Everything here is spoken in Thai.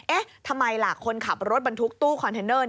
เอ๊ะทำไมล่ะคนขับรถบรรทุกตู้คอนเทนเนอร์